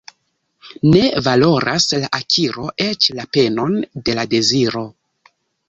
Ne valoras la akiro eĉ la penon de la deziro.